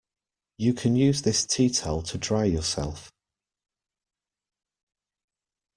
You can use this teatowel to dry yourself.